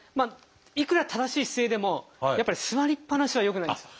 いくら正しい姿勢でもやっぱり座りっぱなしは良くないんですよ。